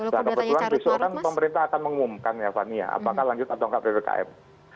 nah kebetulan besok kan pemerintah akan mengumumkan ya fani ya apakah lanjut atau enggak ppkm